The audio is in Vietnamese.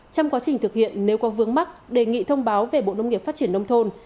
trong quá trình thực hiện nếu có vướng mắc đề nghị thông báo về bộ nông nghiệp phát triển nông thôn